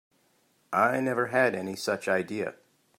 I never had any such idea.